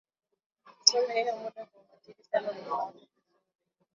isome hiyo mada kwa umakini sana uifahamu vizuri